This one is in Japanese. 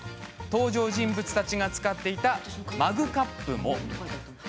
登場人物たちが使っていたマグカップも。